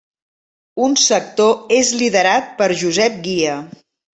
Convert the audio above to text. Un sector és liderat per Josep Guia.